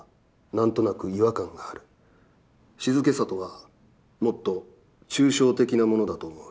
静けさとは、もっと抽象的なものだと思う。